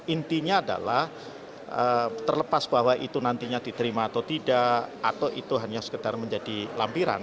intinya adalah terlepas bahwa itu nantinya diterima atau tidak atau itu hanya sekedar menjadi lampiran